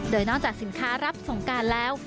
โดยนอกจากสินค้ารับสงการแล้ว